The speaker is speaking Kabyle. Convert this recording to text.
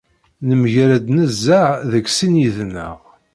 Nemgarad nezzeh deg sin yid-neɣ.